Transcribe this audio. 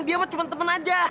dia mah cuma teman aja